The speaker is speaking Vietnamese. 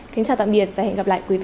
kính chào tạm biệt và hẹn gặp lại quý vị